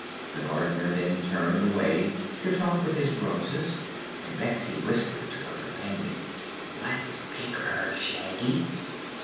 The Gardener then turned away to talk with his Roses and Betsy whispered to her companion: "Let's pick her, Shaggy."